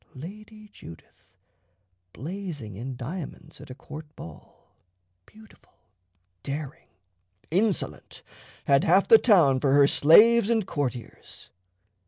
Lady Judith, blazing in diamonds at a court ball, beautiful, daring, insolent, had half the town for her slaves and courtiers.